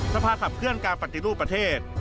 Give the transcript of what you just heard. สภาขับเคลื่อนการปฏิรูปประเทศ